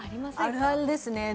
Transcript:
あるあるですね。